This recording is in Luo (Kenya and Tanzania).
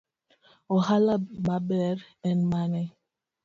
Ohala maber en mane.